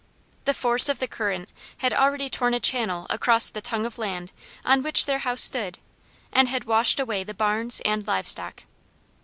The force of the current had already torn a channel across the tongue of land on which the house stood and had washed away the barns and live stock.